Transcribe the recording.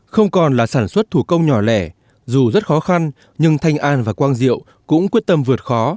không còn là sản xuất thủ công nhỏ lẻ dù rất khó khăn nhưng thanh an và quang diệu cũng quyết tâm vượt khó